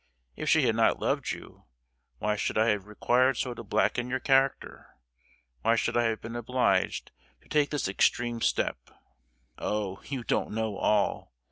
If she had not loved you, why should I have required so to blacken your character? Why should I have been obliged to take this extreme step? Oh! you don't know all!